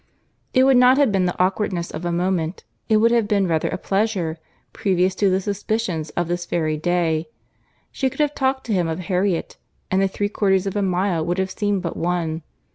It would not have been the awkwardness of a moment, it would have been rather a pleasure, previous to the suspicions of this very day; she could have talked to him of Harriet, and the three quarters of a mile would have seemed but one.